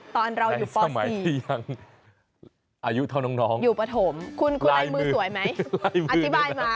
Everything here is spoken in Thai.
ตอนเราอยู่ป่อสีอยู่ปฐมในสมัยที่ยังอายุเท่าน้องคุณไล่มือสวยไหมอธิบายมา